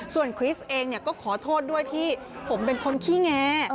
ส่วนคริสเองก็ขอโทษด้วยที่ผมเป็นคนขี้แง